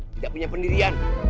tidak punya pendirian